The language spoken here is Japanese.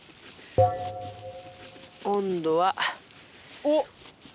温度はおっ。